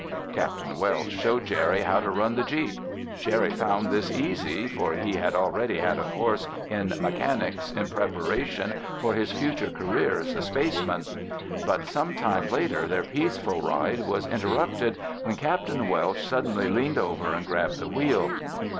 Capt. Welsh showed Jerry how to run the jeep. Jerry found this easy for he had already had a course in mechanics in preparation for his future career as a space man. But sometime later their peaceful ride was interrupted when Capt. Welsh suddenly leaned over and grabbed the wheel.